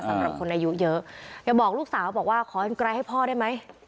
สำหรับคนอายุเยอะอย่าบอกลูกสาวบอกว่าขออีกไกลให้พ่อได้ไหม